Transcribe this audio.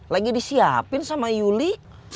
lagi disiapin sama yuli